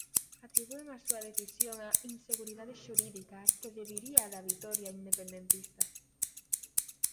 Atribúen a súa decisión á "inseguridade xurídica" que deviría da vitoria independentista.